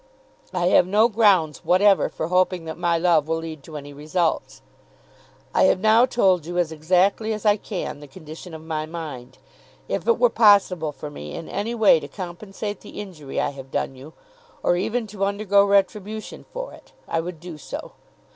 I have no grounds whatever for hoping that my love will lead to any results. I have now told you as exactly as I can the condition of my mind. If it were possible for me in any way to compensate the injury I have done you, or even to undergo retribution for it, I would do so.